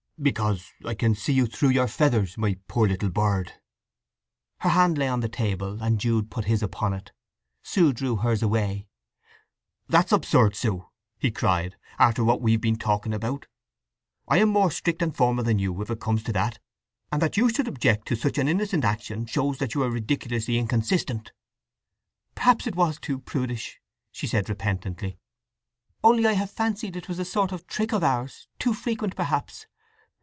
"Because—I can see you through your feathers, my poor little bird!" Her hand lay on the table, and Jude put his upon it. Sue drew hers away. "That's absurd, Sue," cried he, "after what we've been talking about! I am more strict and formal than you, if it comes to that; and that you should object to such an innocent action shows that you are ridiculously inconsistent!" "Perhaps it was too prudish," she said repentantly. "Only I have fancied it was a sort of trick of ours—too frequent perhaps.